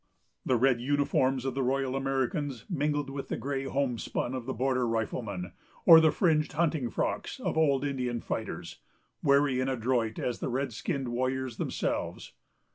The red uniforms of the Royal Americans mingled with the gray homespun of the border riflemen, or the fringed hunting frocks of old Indian fighters, wary and adroit as the red skinned warriors themselves.